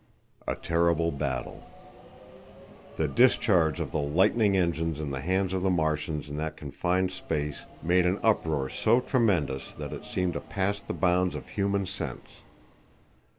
A Terrible Battle. The discharge of the lightning engines in the hands of the Martians in that confined space made an uproar so tremendous that it seemed to pass the bounds of human sense.